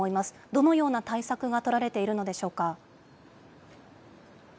どのような対策が取られているのでしょうか。